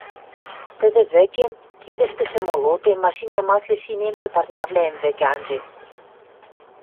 Тӹдӹ вӹкем, кидӹштӹшӹ молотем, машинӓ маслеш шимемшӹ парнявлӓэм вӹкӹ анжен.